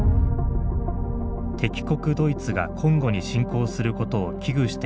敵国ドイツがコンゴに侵攻することを危惧していたサンジエ。